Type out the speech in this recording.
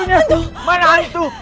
mana hantunya mana hantu